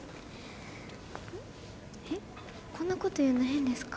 こんなこと言うの変ですか？